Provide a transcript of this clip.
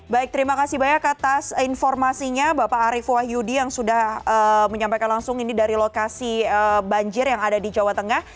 baik terima kasih banyak atas informasinya bapak arief wahyudi yang sudah menyampaikan langsung ini dari lokasi banjir yang ada di jawa tengah